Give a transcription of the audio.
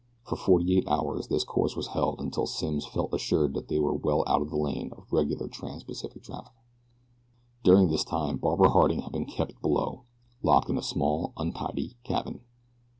For forty eight hours this course was held until Simms felt assured that they were well out of the lane of regular trans Pacific traffic. During this time Barbara Harding had been kept below, locked in a small, untidy cabin.